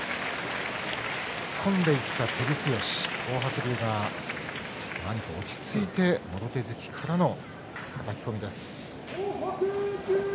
突っ込んでいった照強、東白龍が何か落ち着いてもろ手突きからのはたき込みです。